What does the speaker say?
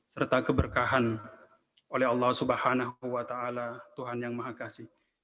serta keberkahan oleh allah subhanahu wa ta'ala tuhan yang maha kasih